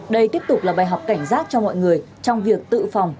đây tiếp tục là bài học cảnh giác cho mọi người trong việc tự phòng